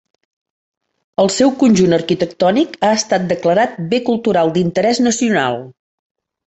El seu conjunt arquitectònic ha estat declarat bé cultural d'interès nacional.